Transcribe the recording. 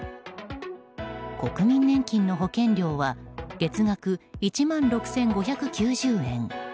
国民年金の保険料は月額１万６５９０円。